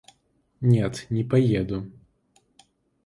Нет, не поеду.